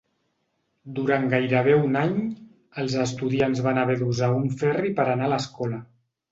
Durant gairebé un any, els estudiants van haver d'usar un ferri per anar a l'escola.